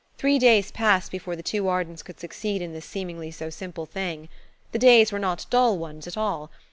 Three days passed before the two Ardens could succeed in this seemingly so simple thing. The days were not dull ones at all.